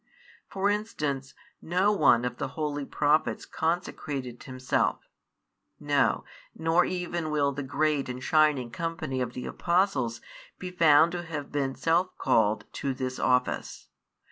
For instance, no one of the holy Prophets consecrated himself; no, nor even will the great and shining company of the Apostles be found to have been self called to this office.